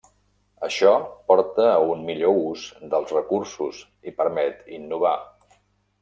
Això porta a un millor ús dels recursos i permet innovar.